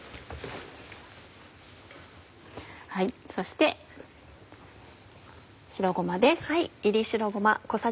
そして白ごまです。